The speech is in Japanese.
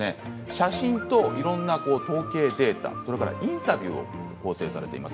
写真といろいろな統計データそしてインタビューで構成されています。